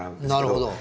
なるほど。